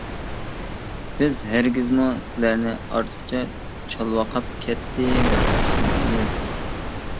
بىز ھەرگىزمۇ سىلەرنى ئارتۇقچە چالۋاقاپ كەتتى دەپ قالمايمىز.